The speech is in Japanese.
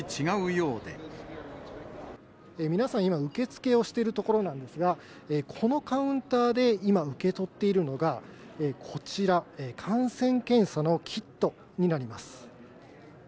皆さん、今、受け付けをしているところなんですが、このカウンターで今、受け取っているのが、こちら、感染検査のキットになります。